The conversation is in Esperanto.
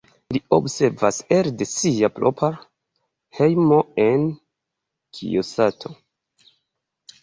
Li observas elde sia propra hejmo en Kijosato.